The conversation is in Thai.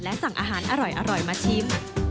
สั่งอาหารอร่อยมาชิม